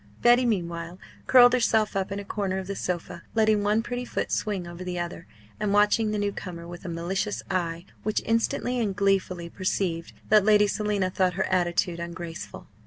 Betty meanwhile curled herself up in a corner of the sofa, letting one pretty foot swing over the other, and watching the new comer with a malicious eye, which instantly and gleefully perceived that Lady Selina thought her attitude ungraceful.